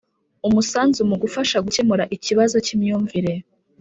umusanzu mu gufasha gukemura ikibazo k’imyumvire